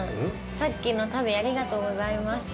さっきの足袋ありがとうございました。